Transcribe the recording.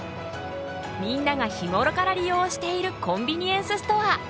みんなが日頃から利用しているコンビニエンスストア。